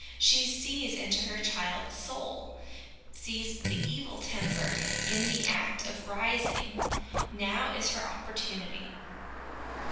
She sees into her child's soul sees the evil temper in the act of rising : now is her opportunity.